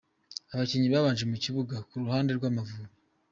Abakinnyi babanje mu kibuga ku ruhande rw’Amavubi:.